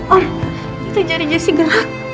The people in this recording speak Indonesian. om itu jari jesse gerak